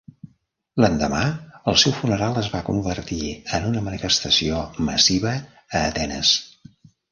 L'endemà, el seu funeral es va convertir en una manifestació massiva a Atenes.